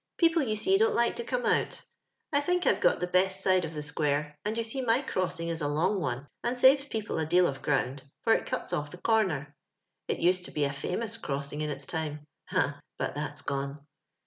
People, you seo, don't like to come out I tliiuk I'vo got the best side of the square, and you see my crossing is a long one, and saves people a deal of ground, for it outs off the comer. It used to bo a famous crossing in its time — hah ! but that's gone.